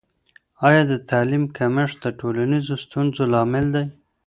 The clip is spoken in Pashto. آیا د تعلیم کمښت د ټولنیزو ستونزو لامل دی؟